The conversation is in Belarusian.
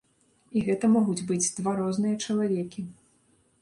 І гэта могуць быць два розныя чалавекі.